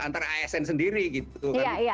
antara asn sendiri gitu kan